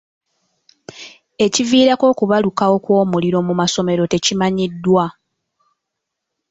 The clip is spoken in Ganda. Ekiviirako okubalukawo kw'omuliro mu masomero tekimanyiddwa.